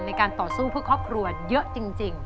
ในการต่อสู้เพื่อครอบครัวเยอะจริง